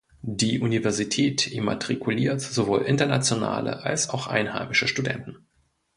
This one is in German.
Die Universität immatrikuliert sowohl internationale als auch einheimische Studenten.